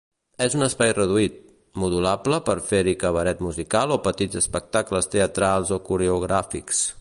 És un espai reduït, modulable per fer-hi cabaret musical o petits espectacles teatrals o coreogràfics.